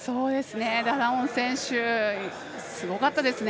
ダダオン選手すごかったですね。